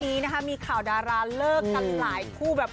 วันนี้นะคะมีข่าวดาราเลิกกันหลายคู่แบบ